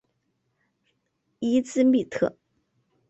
伊兹密特。